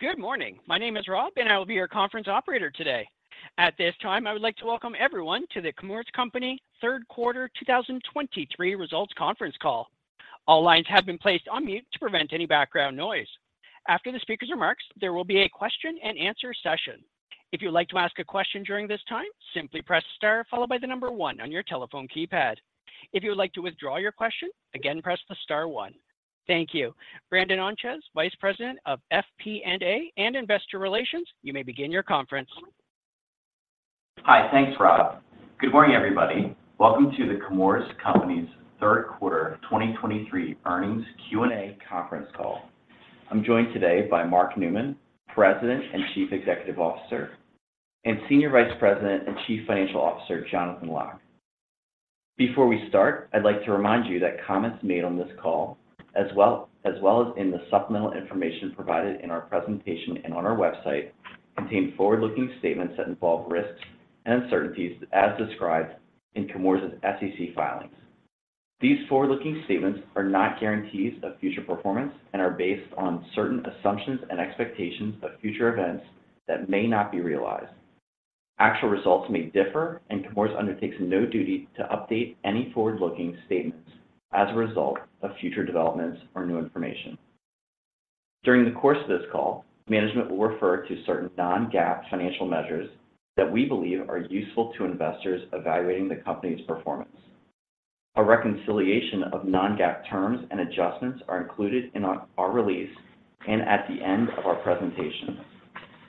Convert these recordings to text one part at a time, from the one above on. Good morning. My name is Rob, and I will be your conference operator today. At this time, I would like to welcome everyone to the Chemours Company Third Quarter 2023 Results Conference Call. All lines have been placed on mute to prevent any background noise. After the speaker's remarks, there will be a question-and-answer session. If you'd like to ask a question during this time, simply press star followed by the number one on your telephone keypad. If you would like to withdraw your question, again, press the star one. Thank you. Brandon Ontjes, Vice President of FP&A and Investor Relations, you may begin your conference. Hi. Thanks, Rob. Good morning, everybody. Welcome to the Chemours Company's Third Quarter 2023 Earnings Q&A Conference Call. I'm joined today by Mark Newman, President and Chief Executive Officer, and Senior Vice President and Chief Financial Officer, Jonathan Lock. Before we start, I'd like to remind you that comments made on this call, as well as in the supplemental information provided in our presentation and on our website, contain forward-looking statements that involve risks and uncertainties as described in Chemours' SEC filings. These forward-looking statements are not guarantees of future performance and are based on certain assumptions and expectations of future events that may not be realized. Actual results may differ, and Chemours undertakes no duty to update any forward-looking statements as a result of future developments or new information. During the course of this call, management will refer to certain non-GAAP financial measures that we believe are useful to investors evaluating the company's performance. A reconciliation of non-GAAP terms and adjustments are included in our release and at the end of our presentation.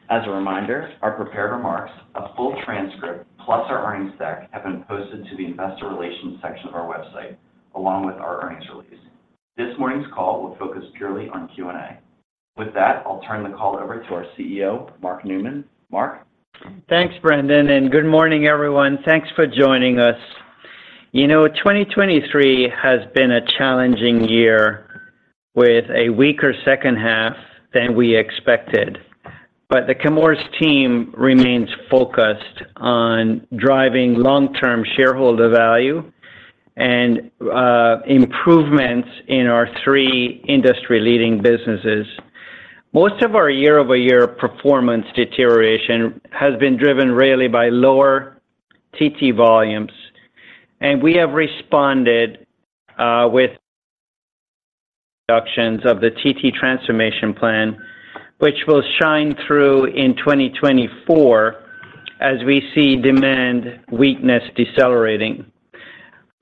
As a reminder, our prepared remarks, a full transcript, plus our earnings deck, have been posted to the investor relations section of our website, along with our earnings release. This morning's call will focus purely on Q&A. With that, I'll turn the call over to our CEO, Mark Newman. Mark? Thanks, Brandon, and good morning, everyone. Thanks for joining us. 2023 has been a challenging year with a weaker second half than we expected, but the Chemours team remains focused on driving long-term shareholder value and improvements in our three industry-leading businesses. Most of our year-over-year performance deterioration has been driven really by lower TT volumes, and we have responded with reductions of the TT transformation plan, which will shine through in 2024 as we see demand weakness decelerating.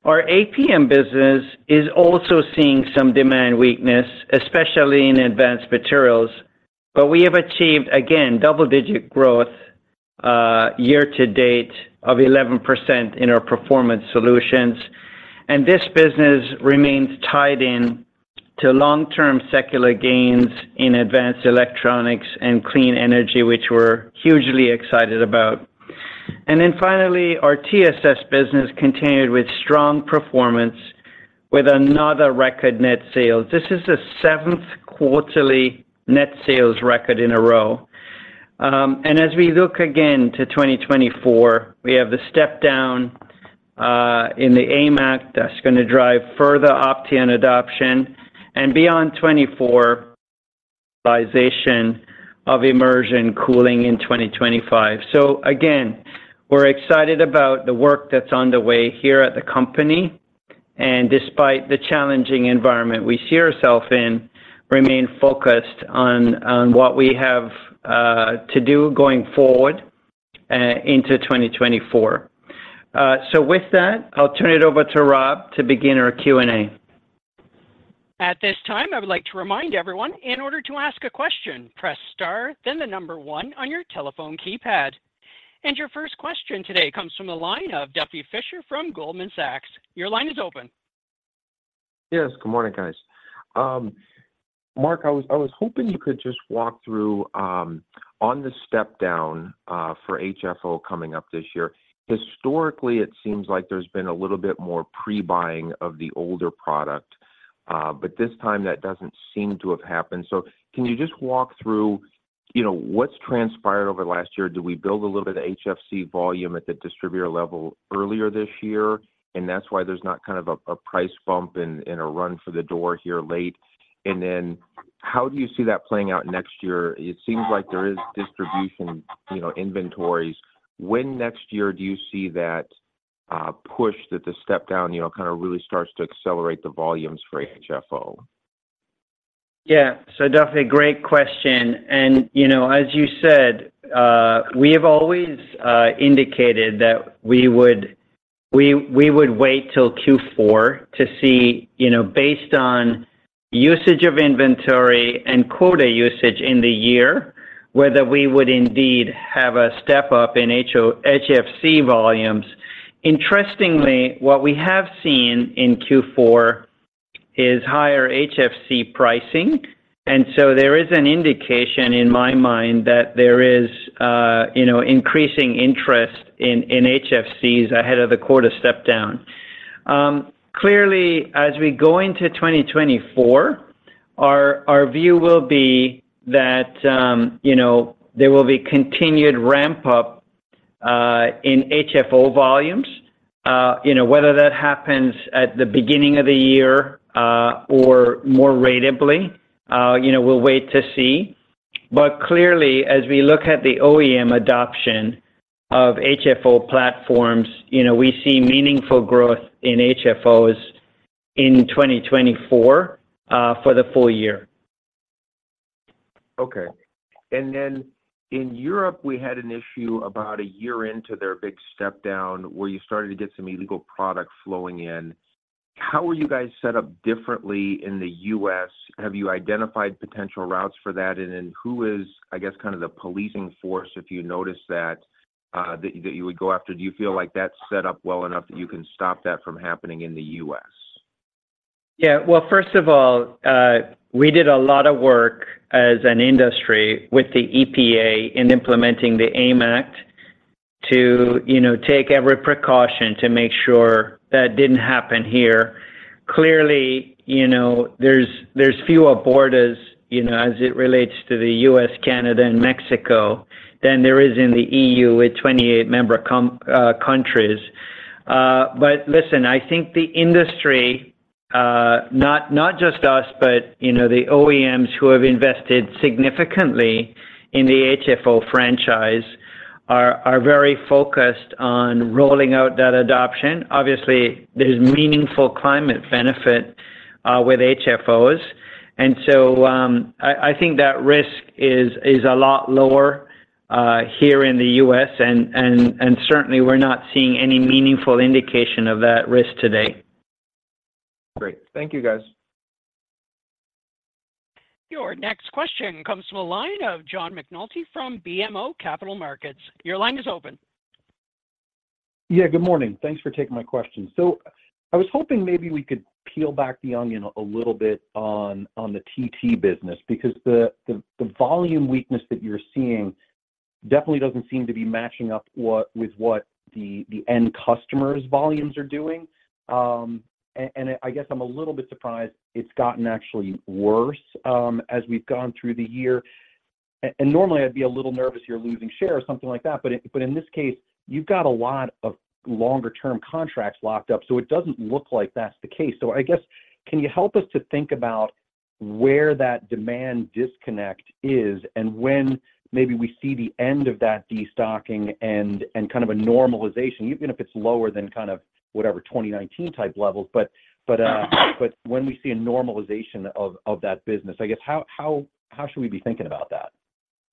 Our APM business is also seeing some demand weakness, especially in Advanced Materials, but we have achieved double-digit growth year to date of 11% in our Performance Solutions, and this business remains tied in to long-term secular gains in advanced electronics and clean energy, which we're hugely excited about. Then finally, our TSS business continued with strong performance with another record net sales. This is the 7th quarterly net sales record in a row. As we look again to 2024, we have the step down in the AIM Act that's gonna drive further Opteon adoption and beyond 2024, realization of immersion cooling in 2025. So again, we're excited about the work that's on the way here at the company, and despite the challenging environment we see ourself in, remain focused on what we have to do going forward into 2024. So with that, I'll turn it over to Rob to begin our Q&A. At this time, I would like to remind everyone in order to ask a question, press star, then the number one on your telephone keypad. Your first question today comes from the line of Duffy Fischer from Goldman Sachs. Your line is open. Yes, good morning, guys. Mark, I was hoping you could just walk through on the step-down for HFO coming up this year. Historically, it seems like there's been a little bit more pre-buying of the older product, but this time that doesn't seem to have happened. So can you just walk through what's transpired over the last year? Do we build a little bit of HFC volume at the distributor level earlier this year, and that's why there's not a price bump and a run for the door here late? And then how do you see that playing out next year? It seems like there is distributor inventories. When next year do you see that push that the step down really starts to accelerate the volumes for HFO? Duffy, great question. And you know, as you said, we have always indicated that we would wait till Q4 to see based on usage of inventory and quota usage in the year, whether we would indeed have a step up in HFC volumes. Interestingly, what we have seen in Q4 is higher HFC pricing, and so there is an indication in my mind that there is increasing interest in HFCs ahead of the quarter step down. Clearly, as we go into 2024, our view will be that, you know, there will be continued ramp-up in HFO volumes. You know, whether that happens at the beginning of the year or more ratably we'll wait to see. But clearly, as we look at the OEM adoption of HFO platforms, you know, we see meaningful growth in HFOs in 2024, for the full year. Okay. And then in Europe, we had an issue about a year into their big step down, where you started to get some illegal product flowing in. How were you guys set up differently in the U.S.? Have you identified potential routes for that, and then who is, I guess, kind of the policing force, if you notice that you would go after? Do you feel like that's set up well enough that you can stop that from happening in the U.S.? Yeah. Well, first of all, we did a lot of work as an industry with the EPA in implementing the AIM Act to, you know, take every precaution to make sure that didn't happen here. Clearly, you know, there's fewer borders, you know, as it relates to the U.S., Canada, and Mexico, than there is in the E.U. with 28 member countries. But listen, I think the industry, not just us, but you know, the OEMs who have invested significantly in the HFO franchise are very focused on rolling out that adoption. Obviously, there's meaningful climate benefit with HFOs. And so, I think that risk is a lot lower here in the U.S., and certainly we're not seeing any meaningful indication of that risk today. Great. Thank you, guys. Your next question comes from the line of John McNulty from BMO Capital Markets. Your line is open. Yeah, good morning. Thanks for taking my question. So I was hoping maybe we could peel back the onion a little bit on the TT business, because the volume weakness that you're seeing definitely doesn't seem to be matching up with what the end customer's volumes are doing. And I guess I'm a little bit surprised it's gotten actually worse as we've gone through the year. And normally, I'd be a little nervous you're losing share or something like that, but in this case, you've got a lot of longer-term contracts locked up, so it doesn't look like that's the case. I guess, can you help us to think about where that demand disconnect is, and when maybe we see the end of that destocking and kind of a normalization, even if it's lower than kind of, whatever, 2019-type levels, but when we see a normalization of that business, I guess how should we be thinking about that?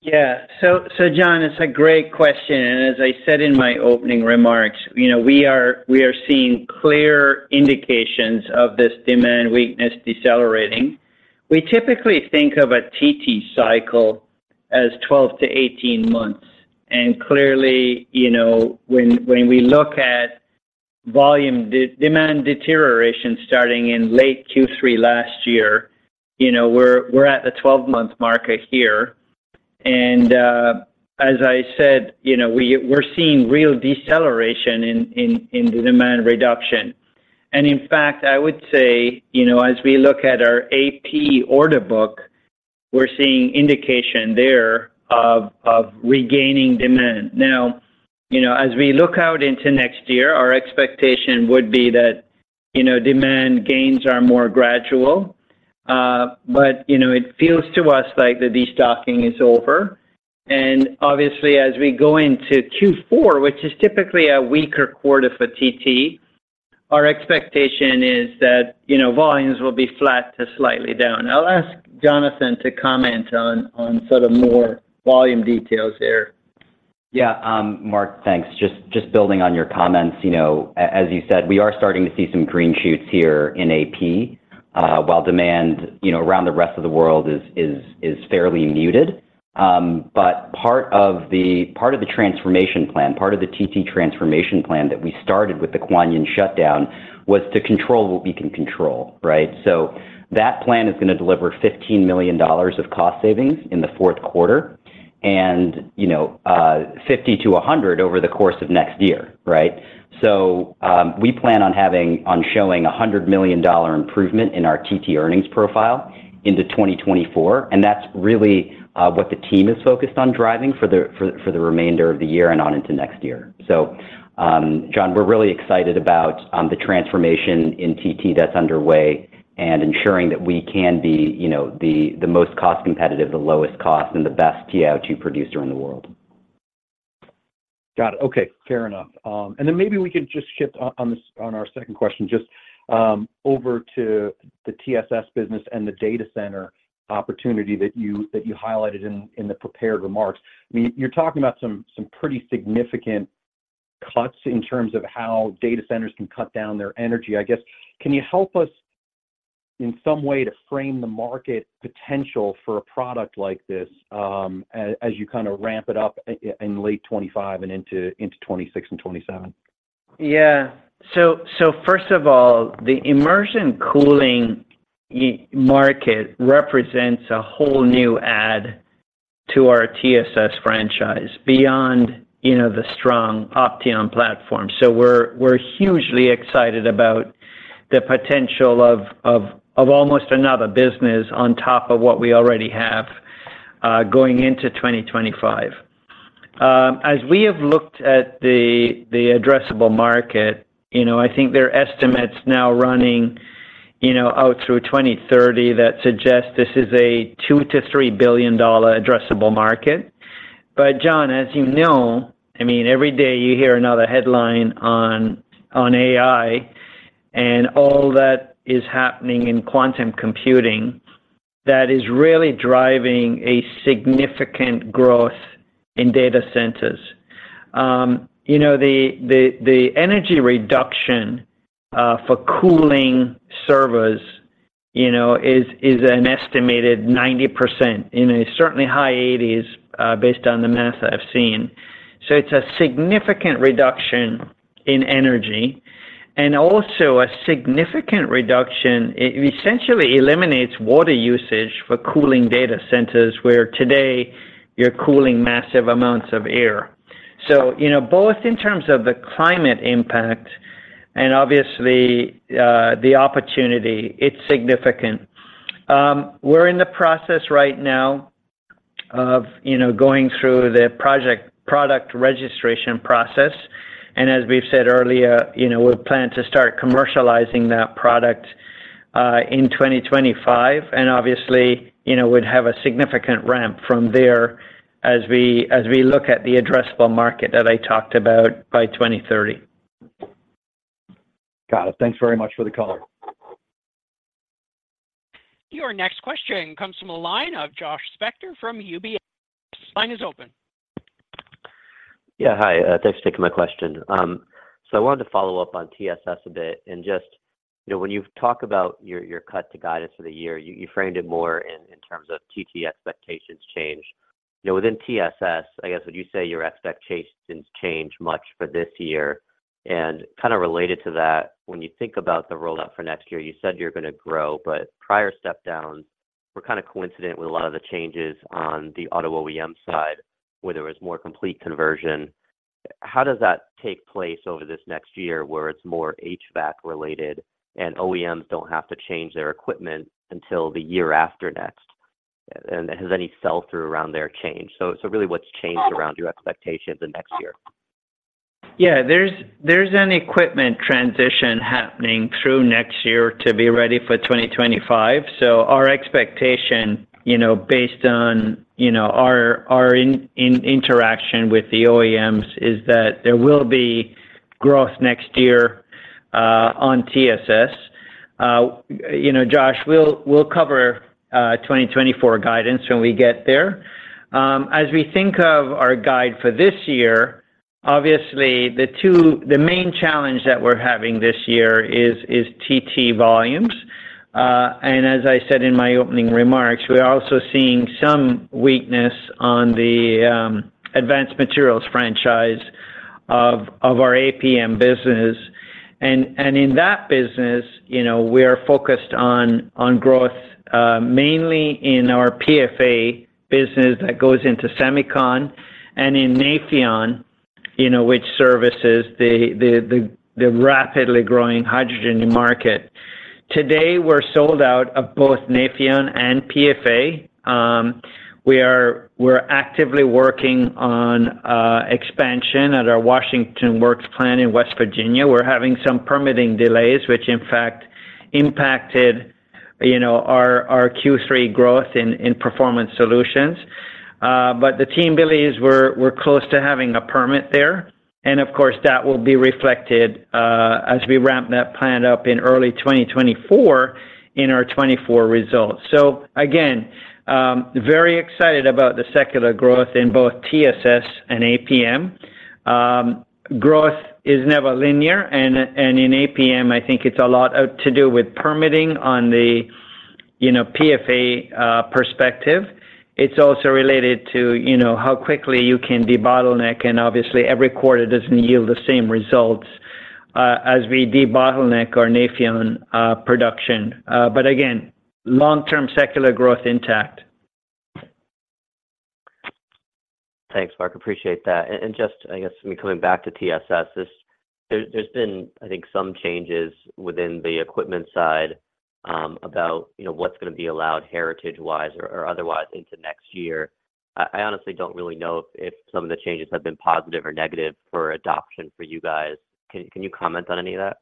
Yeah. So, John, it's a great question, and as I said in my opening remarks, you know, we are seeing clear indications of this demand weakness decelerating. We typically think of a TT cycle as 12-18 months, and clearly, you know, when we look at demand deterioration starting in late Q3 last year, you know, we're at the 12-month marker here. And as I said, you know, we're seeing real deceleration in the demand reduction. And in fact, I would say, you know, as we look at our AP order book, we're seeing indication there of regaining demand. Now, you know, as we look out into next year, our expectation would be that, you know, demand gains are more gradual. But you know, it feels to us like the destocking is over. Obviously, as we go into Q4, which is typically a weaker quarter for TT, our expectation is that, you know, volumes will be flat to slightly down. I'll ask Jonathan to comment on sort of more volume details there. Yeah, Mark, thanks. Just building on your comments. You know, as you said, we are starting to see some green shoots here in AP, while demand, you know, around the rest of the world is fairly muted. But part of the transformation plan, part of the TT transformation plan that we started with the Kuantan shutdown, was to control what we can control, right? So that plan is gonna deliver $15 million of cost savings in the fourth quarter, and, you know, $50 million-$100 million over the course of next year, right? So, we plan on showing $100 million improvement in our TT earnings profile into 2024, and that's really what the team is focused on driving for the remainder of the year and on into next year. So, John, we're really excited about the transformation in TT that's underway, and ensuring that we can be, you know, the most cost competitive, the lowest cost, and the best TiO2 producer in the world. Got it. Okay, fair enough. And then maybe we could just shift on, on this, on our second question, just, over to the TSS business and the data center opportunity that you, that you highlighted in the prepared remarks. I mean, you're talking about some pretty significant cuts in terms of how data centers can cut down their energy. I guess, can you help us in some way to frame the market potential for a product like this, as you kind of ramp it up in late 2025 and into 2026 and 2027? Yeah. So first of all, the immersion cooling market represents a whole new add to our TSS franchise, beyond the strong Opteon platform. So we're hugely excited about the potential of almost another business on top of what we already have going into 2025. As we have looked at the addressable market, you know, I think their estimates now running out through 2030 suggest this is a $2 billion to $3 billion addressable market. But John, as you know, I mean, every day you hear another headline on AI, and all that is happening in quantum computing, that is really driving a significant growth in data centers. You know, the energy reduction for cooling servers is an estimated 90%, in a certainly high 80s, based on the math I've seen. It's a significant reduction in energy, and also a significant reduction. It essentially eliminates water usage for cooling data centers, where today you're cooling massive amounts of air. You know, both in terms of the climate impact and obviously, the opportunity, it's significant. We're in the process right now of going through the product registration process, and as we've said earlier, you know, we plan to start commercializing that product in 2025. Obviously, you know, we'd have a significant ramp from there as we look at the addressable market that I talked about by 2030. Got it. Thanks very much for the call. Your next question comes from the line of Josh Spector from UBS. Your line is open. Yeah, hi. Thanks for taking my question. So I wanted to follow up on TSS a bit, and just, you know, when you talk about your cut to guidance for the year, you framed it more in terms of TT expectations change. You know, within TSS, I guess, would you say your expectations change much for this year? And kind of related to that, when you think about the rollout for next year, you said you're going to grow, but prior step-downs were kind of coincident with a lot of the changes on the auto OEM side, where there was more complete conversion. How does that take place over this next year, where it's more HVAC-related and OEMs don't have to change their equipment until the year after next? And has any sell-through around there changed? So really, what's changed around your expectations in next year? There's an equipment transition happening through next year to be ready for 2025. So our expectation based on our interaction with the OEMs, is that there will be growth next year on TSS Josh, we'll cover 2024 guidance when we get there. As we think of our guide for this year, obviously, the main challenge that we're having this year is TT volumes. And as I said in my opening remarks, we're also seeing some weakness on the Advanced Materials franchise of our APM business. And in that business we are focused on growth mainly in our PFA business that goes into semicon and in Nafion which services the rapidly growing hydrogen market. Today, we're sold out of both Nafion and PFA. We're actively working on expansion at our Washington Works plant in West Virginia. We're having some permitting delays, which in fact impacted our Q3 growth in Performance Solutions. The team believes we're close to having a permit there, and of course, that will be reflected as we ramp that plant up in early 2024 in our 2024 results. Again, very excited about the secular growth in both TSS and APM. Growth is never linear, and in APM, it's a lot to do with permitting on the PFA perspective. It's also related to how quickly you can debottleneck, and obviously, every quarter doesn't yield the same results as we debottleneck our Nafion production. But again, long-term secular growth intact. Thanks, Mark. Appreciate that. Just, I guess, me coming back to TSS, there's been, I think, some changes within the equipment side about, you know, what's going to be allowed heritage-wise or otherwise into next year. I honestly don't really know if some of the changes have been positive or negative for adoption for you guys. Can you comment on any of that?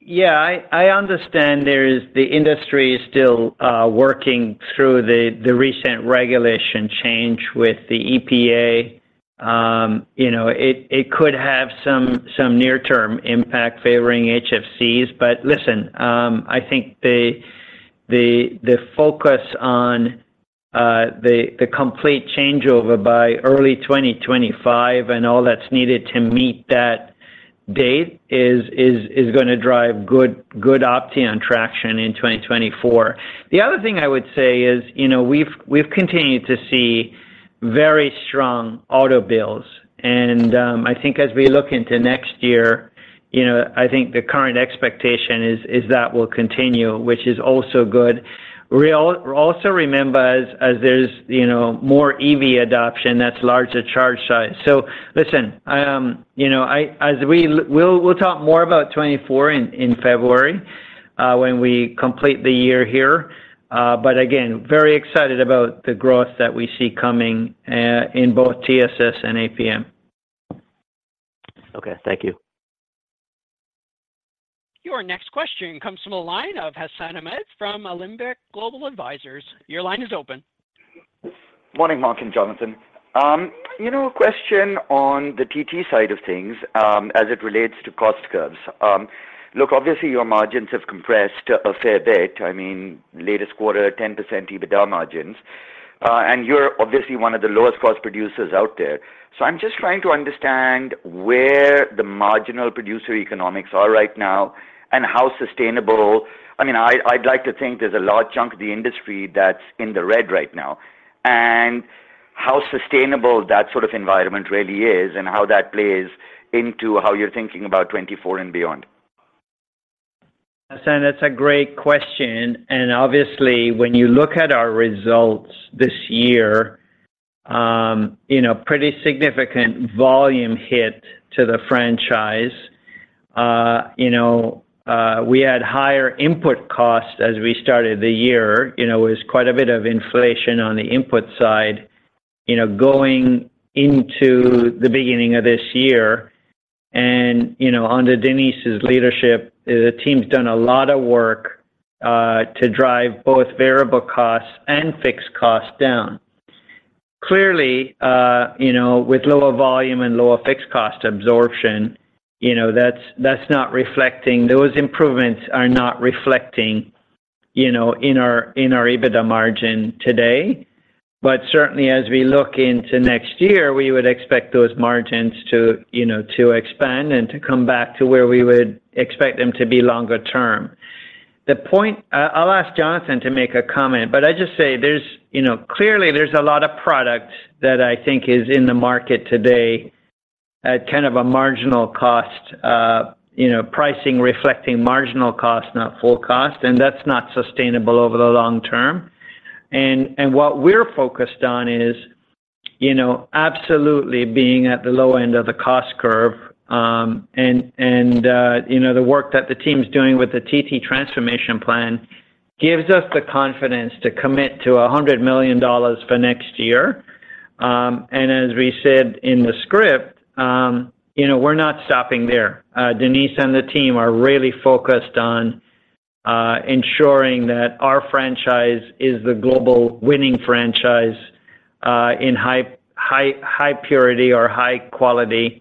Yeah, I understand there is the industry is still working through the recent regulation change with the EPA. You know, it could have some near-term impact favoring HFCs. But listen, I think the focus on the complete changeover by early 2025 and all that's needed to meet that date is gonna drive good Opteon traction in 2024. The other thing I would say is, you know, we've continued to see very strong auto builds. And I think as we look into next year, you know, I think the current expectation is that will continue, which is also good. We'll also remember as there's more EV adoption, that's larger charge size. So listen, you know, as we'll talk more about 2024 in February when we complete the year here. But again, very excited about the growth that we see coming in both TSS and APM. Okay, thank you. Your next question comes from the line of Hassan Ahmed from Alembic Global Advisors. Your line is open. Morning, Mark and Jonathan. You know, a question on the TT side of things, as it relates to cost curves. Look, obviously, your margins have compressed a fair bit. I mean, latest quarter, 10% EBITDA margins, and you're obviously one of the lowest cost producers out there. So I'm just trying to understand where the marginal producer economics are right now and how sustainable. I mean, I'd like to think there's a large chunk of the industry that's in the red right now. And how sustainable that sort of environment really is, and how that plays into how you're thinking about 2024 and beyond. Hassan, that's a great question, and obviously, when you look at our results this year, you know, pretty significant volume hit to the franchise. You know, we had higher input costs as we started the year. You know, it was quite a bit of inflation on the input side, you know, going into the beginning of this year. And, you know, under Denise's leadership, the team's done a lot of work to drive both variable costs and fixed costs down. Clearly, you know, with lower volume and lower fixed cost absorption, you know, that's not reflecting. Those improvements are not reflecting, you know, in our, in our EBITDA margin today. But certainly, as we look into next year, we would expect those margins to, you know, to expand and to come back to where we would expect them to be longer term. The point... I'll ask Jonathan to make a comment, but I'll just say there's, you know, clearly there's a lot of product that I think is in the market today at kind of a marginal cost, you know, pricing reflecting marginal cost, not full cost, and that's not sustainable over the long term. And what we're focused on is, you know, absolutely being at the low end of the cost curve, and, you know, the work that the team's doing with the TT transformation plan gives us the confidence to commit to $100 million for next year. And as we said in the script, you know, we're not stopping there. Denise and the team are really focused on ensuring that our franchise is the global winning franchise in high, high, high purity or high quality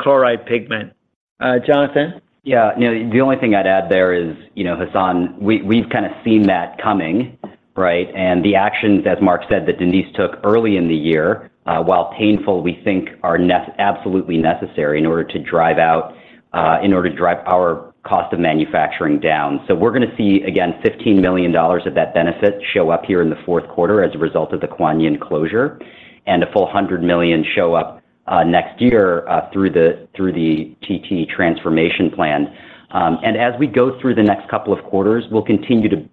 chloride pigment. Uh, Jonathan? Yeah. You know, the only thing I'd add there is, you know, Hassan, we've kinda seen that coming, right? And the actions, as Mark said, that Denise took early in the year, while painful, we think are absolutely necessary in order to drive our cost of manufacturing down. So we're gonna see, again, $15 million of that benefit show up here in the fourth quarter as a result of the Kuantan closure, and a full $100 million show up next year through the TT transformation plan. As we go through the next couple of quarters, we'll continue to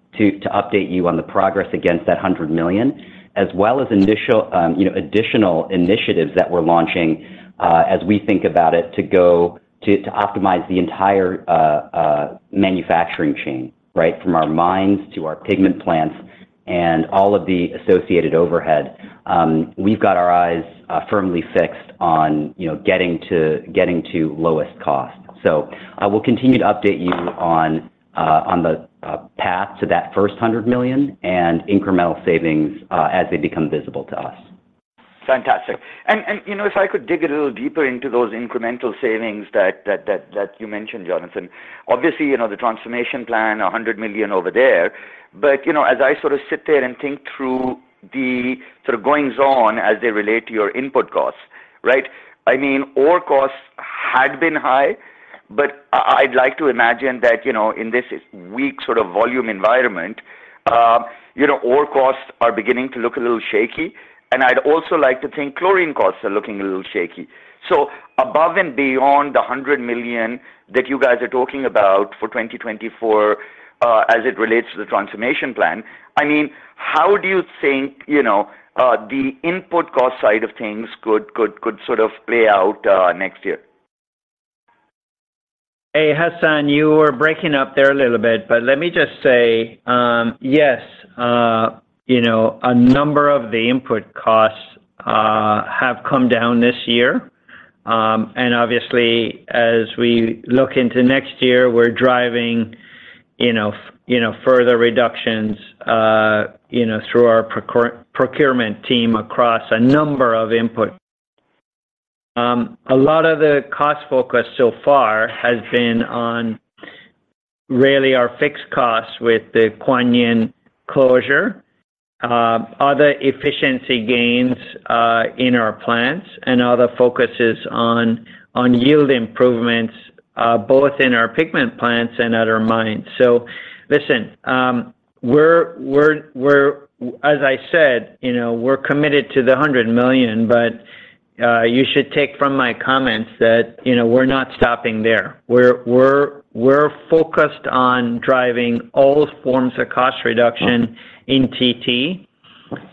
update you on the progress against that $100 million, as well as initial, you know, additional initiatives that we're launching, as we think about it, to optimize the entire manufacturing chain, right? From our mines to our pigment plants and all of the associated overhead. We've got our eyes firmly fixed on, you know, getting to lowest cost. So, I will continue to update you on the path to that first $100 million and incremental savings, as they become visible to us. Fantastic. You know, if I could dig a little deeper into those incremental savings that you mentioned, Jonathan. Obviously, you know, the transformation plan, $100 million over there, but, you know, as I sort of sit there and think through the sort of goings-on as they relate to your input costs, right? I mean, ore costs had been high, but I'd like to imagine that, you know, in this weak sort of volume environment, you know, ore costs are beginning to look a little shaky, and I'd also like to think chlorine costs are looking a little shaky. So above and beyond the $100 million that you guys are talking about for 2024, as it relates to the transformation plan, I mean, how do you think, you know, the input cost side of things could sort of play out, next year? Hey, Hassan, you were breaking up there a little bit, but let me just say, yes, you know, a number of the input costs have come down this year. And obviously, as we look into next year, we're driving, you know, further reductions, you know, through our procurement team across a number of input. A lot of the cost focus so far has been on really our fixed costs with the Kuantan closure, other efficiency gains in our plants, and other focuses on yield improvements, both in our pigment plants and at our mines. So listen, we're, as I said, you know, we're committed to the $100 million, but you should take from my comments that, you know, we're not stopping there. We're focused on driving all forms of cost reduction in TT, you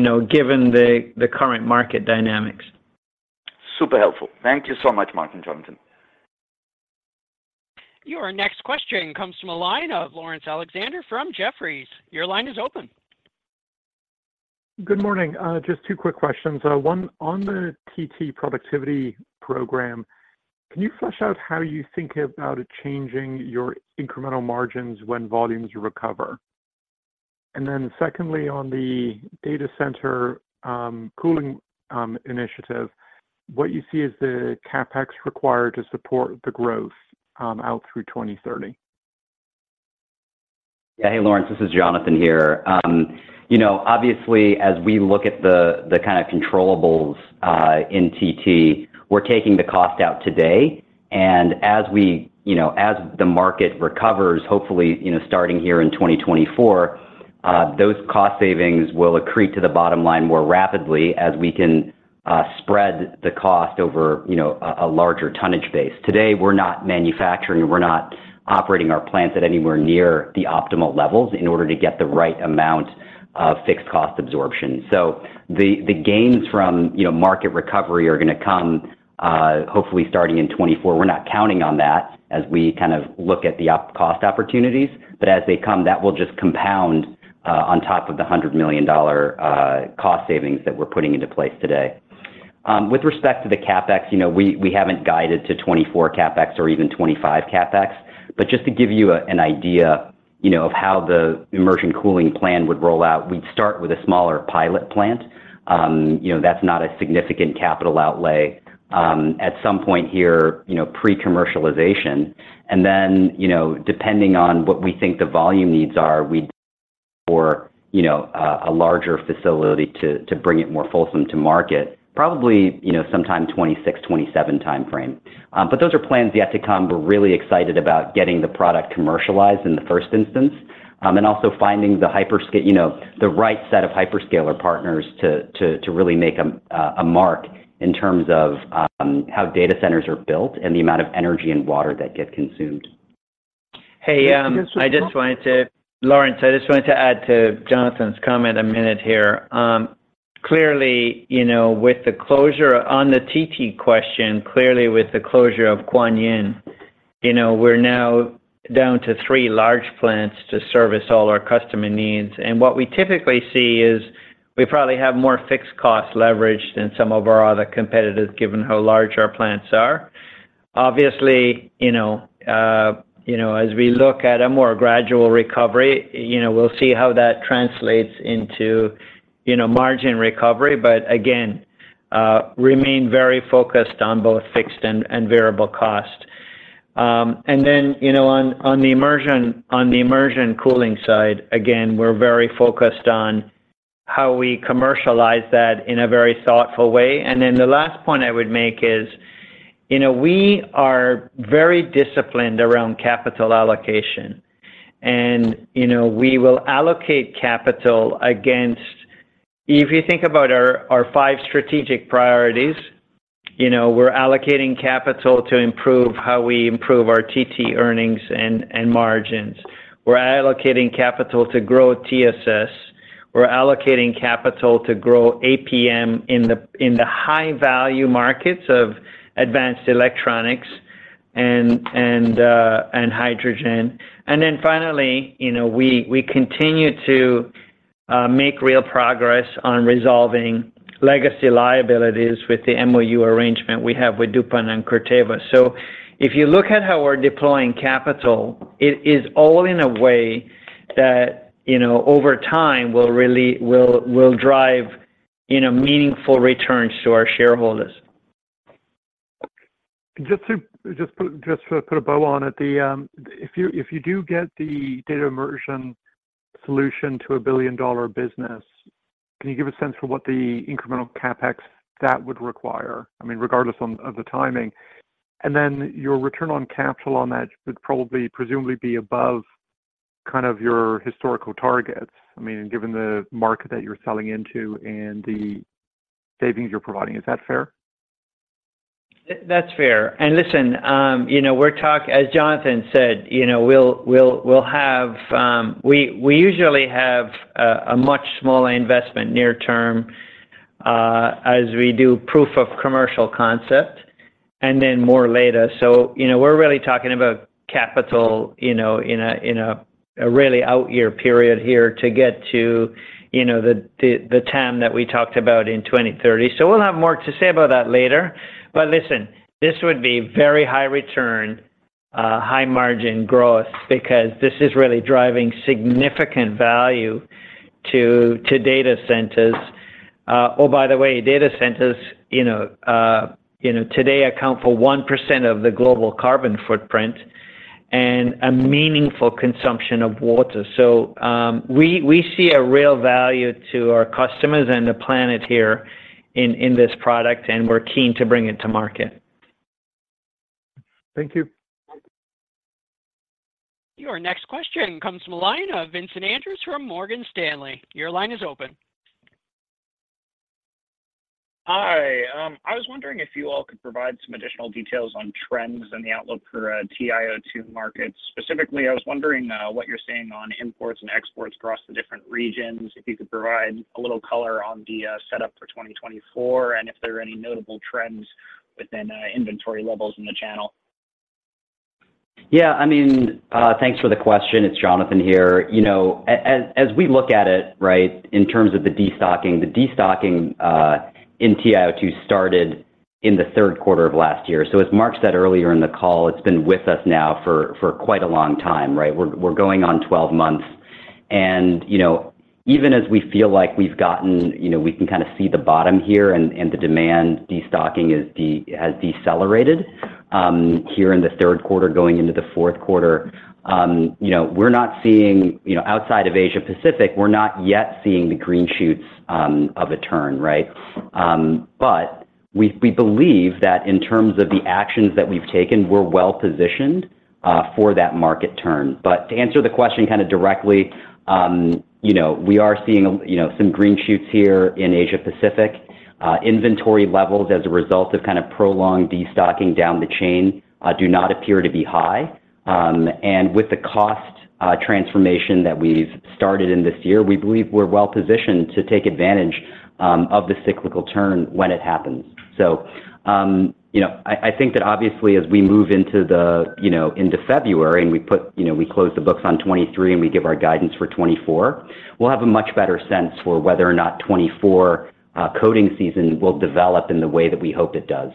know, given the current market dynamics. Super helpful. Thank you so much, Mark and Jonathan. Your next question comes from a line of Laurence Alexander from Jefferies. Your line is open. Good morning, just two quick questions. One, on the TT productivity program, can you flesh out how you think about it changing your incremental margins when volumes recover? And then secondly, on the data center, cooling, initiative, what you see is the CapEx required to support the growth, out through 2030? Hey, Laurence, this is Jonathan here. You know, obviously, as we look at the kind of controllables in TT, we're taking the cost out today. And as we, you know, as the market recovers, hopefully, you know, starting here in 2024, those cost savings will accrete to the bottom line more rapidly as we can spread the cost over, you know, a larger tonnage base. Today, we're not manufacturing, we're not operating our plants at anywhere near the optimal levels in order to get the right amount of fixed cost absorption. So the gains from, you know, market recovery are gonna come, hopefully starting in 2024. We're not counting on that as we kind of look at the op-cost opportunities, but as they come, that will just compound on top of the $100 million cost savings that we're putting into place today. With respect to the CapEx, you know, we haven't guided to 2024 CapEx or even 2025 CapEx. Just to give you an idea, you know, of how the immersion cooling plan would roll out, we'd start with a smaller pilot plant. You know, that's not a significant capital outlay, at some point here, you know, pre-commercialization. Then, you know, depending on what we think the volume needs are, we—or, you know, a larger facility to bring it more fulsome to market, probably, you know, sometime 2026-2027 time frame. Those are plans yet to come. We're really excited about getting the product commercialized in the first instance, and also finding the hyperscaler, the right set of hyperscaler partners to really make a mark in terms of how data centers are built and the amount of energy and water that get consumed. Hey, Laurence, I just wanted to add to Jonathan's comment a minute here. Clearly, you know, with the closure on the TT question, clearly with the closure of Kuantan, you know, we're now down to 3 large plants to service all our customer needs. And what we typically see is we probably have more fixed cost leverage than some of our other competitors, given how large our plants are. Obviously, you know, as we look at a more gradual recovery, you know, we'll see how that translates into, you know, margin recovery, but again, remain very focused on both fixed and variable cost. And then, you know, on the immersion cooling side, again, we're very focused on how we commercialize that in a very thoughtful way. And then the last point I would make is, you know, we are very disciplined around capital allocation. And, you know, we will allocate capital against... If you think about our five strategic priorities, you know, we're allocating capital to improve how we improve our TT earnings and margins. We're allocating capital to grow TSS. We're allocating capital to grow APM in the high-value markets of advanced electronics and hydrogen. And then finally, you know, we continue to make real progress on resolving legacy liabilities with the MOU arrangement we have with DuPont and Corteva. So if you look at how we're deploying capital, it is all in a way that, you know, over time, will really drive, you know, meaningful returns to our shareholders. Just to put a bow on it, if you do get the data immersion solution to a billion-dollar business, can you give a sense for what the incremental CapEx that would require? I mean, regardless of the timing. And then your return on capital on that would probably presumably be above kind of your historical targets. I mean, given the market that you're selling into and the savings you're providing, is that fair? That's fair. And listen, you know, as Jonathan said, you know, we'll have, we usually have a much smaller investment near term, as we do proof of commercial concept, and then more later. So, you know, we're really talking about capital, you know, in a really out year period here to get to, you know, the TAM that we talked about in 2030. So we'll have more to say about that later. But listen, this would be very high return, high margin growth because this is really driving significant value to data centers. Oh, by the way, data centers, you know, you know, today account for 1% of the global carbon footprint and a meaningful consumption of water. We see a real value to our customers and the planet here in this product, and we're keen to bring it to market. Thank you. Your next question comes from the line of Vincent Andrews from Morgan Stanley. Your line is open. Hi. I was wondering if you all could provide some additional details on trends in the outlook for TiO2 market. Specifically, I was wondering what you're seeing on imports and exports across the different regions, if you could provide a little color on the setup for 2024, and if there are any notable trends within inventory levels in the channel? Yeah, I mean, thanks for the question. It's Jonathan here. You know, as we look at it, right, in terms of the destocking in TiO2 started in the third quarter of last year. So as Mark said earlier in the call, it's been with us now for quite a long time, right? We're going on 12 months. And, you know, even as we feel like we've gotten you know, we can kinda see the bottom here and the demand destocking has decelerated here in the third quarter, going into the fourth quarter, you know, we're not seeing, you know, outside of Asia Pacific, we're not yet seeing the green shoots of a turn, right? But we believe that in terms of the actions that we've taken, we're well-positioned for that market turn. But to answer the question kinda directly, you know, we are seeing, you know, some green shoots here in Asia Pacific. Inventory levels, as a result of kind of prolonged destocking down the chain, do not appear to be high. And with the cost transformation that we've started in this year, we believe we're well positioned to take advantage of the cyclical turn when it happens. So, you know, I think that obviously as we move into the, you know, into February and we put, you know, we close the books on 2023 and we give our guidance for 2024, we'll have a much better sense for whether or not 2024, coating season will develop in the way that we hope it does.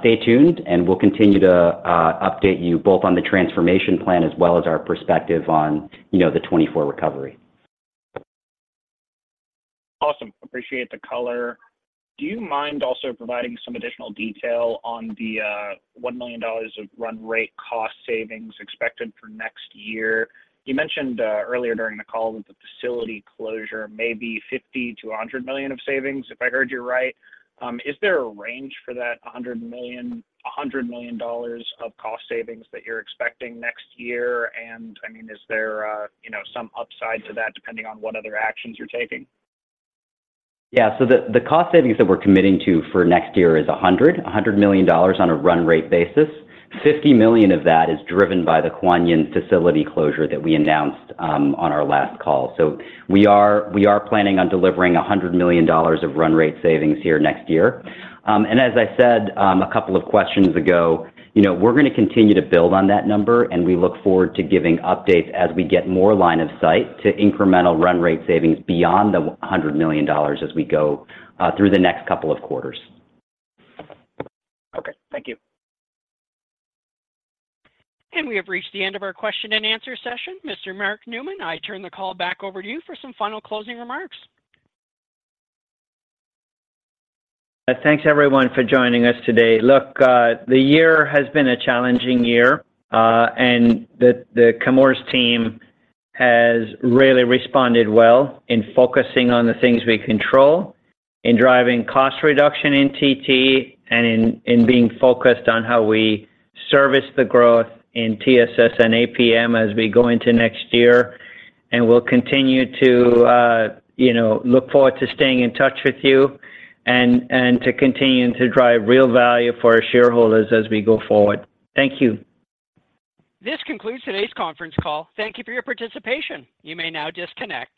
Stay tuned, and we'll continue to update you both on the transformation plan as well as our perspective on, you know, the 2024 recovery. Awesome. Appreciate the color. Do you mind also providing some additional detail on the $1 million of run rate cost savings expected for next year? You mentioned earlier during the call that the facility closure may be $50 million-$100 million of savings, if I heard you right. Is there a range for that $100 million, $100 million dollars of cost savings that you're expecting next year? And, I mean, is there, you know, some upside to that depending on what other actions you're taking? Yeah. So the cost savings that we're committing to for next year is $100 million on a run rate basis. $50 million of that is driven by the Kuantan facility closure that we announced on our last call. So we are planning on delivering $100 million of run rate savings here next year. And as I said a couple of questions ago, you know, we're gonna continue to build on that number, and we look forward to giving updates as we get more line of sight to incremental run rate savings beyond the $100 million as we go through the next couple of quarters. Okay. Thank you. We have reached the end of our question and answer session. Mr. Mark Newman, I turn the call back over to you for some final closing remarks. Thanks, everyone, for joining us today. Look, the year has been a challenging year, and the Chemours team has really responded well in focusing on the things we control, in driving cost reduction in TT, and in being focused on how we service the growth in TSS and APM as we go into next year. And we'll continue to, you know, look forward to staying in touch with you and to continuing to drive real value for our shareholders as we go forward. Thank you. This concludes today's conference call. Thank you for your participation. You may now disconnect.